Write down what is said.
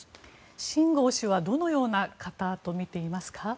シン・ゴウ氏はどのような方と見ていますか。